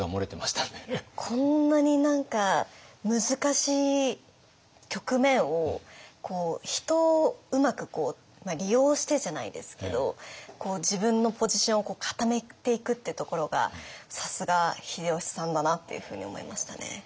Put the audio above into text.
こんなに何か難しい局面を人をうまく利用してじゃないですけど自分のポジションを固めていくってところがさすが秀吉さんだなっていうふうに思いましたね。